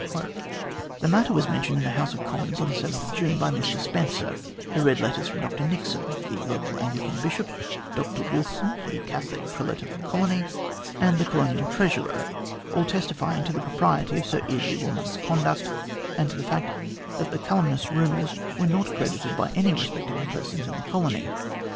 The matter was mentioned in the House of Commons on June 7 by Mr Spencer, who read letters from Dr Nixon, the local Anglican bishop, Dr Willson, the Catholic Prelate of the Colony, and the Colonial Treasurer, all testifying to the propriety of Sir Eardley Wilmot's conduct, and to the fact that the calumnious rumours were not credited by any respectable persons in the colony.